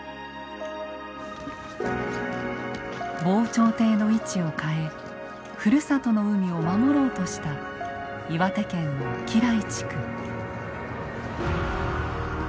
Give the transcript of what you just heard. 防潮堤の位置を変えふるさとの海を守ろうとした岩手県の越喜来地区。